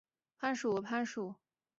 攀鼠为鼠科攀鼠属的动物。